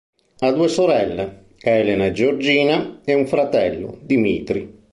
Ha due sorelle, Helena e Georgina, e un fratello, Dimitri.